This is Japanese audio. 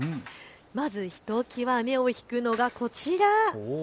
まずひときわ目を引くのがこちら。